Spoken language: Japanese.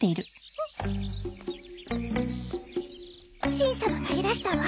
しん様がいらしたわ。